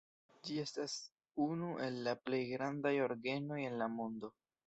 Ĝi estas unu el la plej grandaj orgenoj en la mondo.